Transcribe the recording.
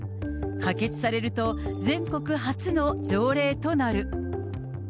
可決されると、全国初の条例となる。